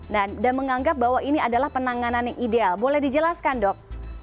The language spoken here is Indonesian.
dan menganggap bahwa ini adalah penanganan yang ideal boleh dijelaskan dok